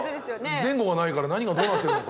前後がないから何がどうなってるのか。